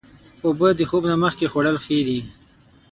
اوبه د خوب نه مخکې خوړل ښې دي.